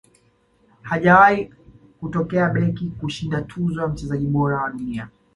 hajawahi kutokea beki kushinda tuzo ya mchezaji bora wa dunia